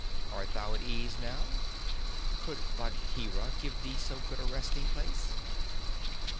Art thou at ease now? Could Bagheera give thee so good a resting place?"